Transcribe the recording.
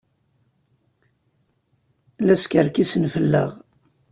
La skerkisen fell-aɣ.